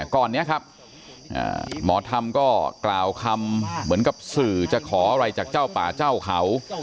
ก่อนนี้ครับหมอธรรมก็กล่าวคำเหมือนกับสื่อจะขออะไรจากเจ้าป่าเจ้าเขา